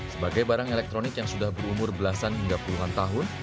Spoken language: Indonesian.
sebagai barang elektronik yang sudah berumur belasan hingga puluhan tahun